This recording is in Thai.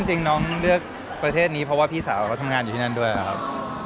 จริงน้องเลือกประเทศนี้เพราะว่าพี่สาวเขาทำงานอยู่ที่นั่นด้วยนะครับ